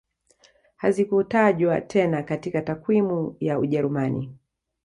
Hazikutajwa tena katika takwimu ya Ujerumani